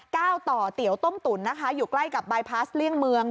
ก้าวต่อเตี่ยวต้มตุ้นอยู่ใกล้กับไบพัสเรี่ยงเมือง